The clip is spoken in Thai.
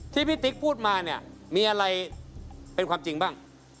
ที่พี่ติ๊กพูดมาเนี่ยมีอะไรเป็นความจริงบ้าง